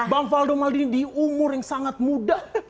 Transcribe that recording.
bang faldo maldini di umur yang sangat muda